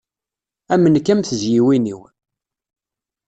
Am nekk am tizyiwin-iw.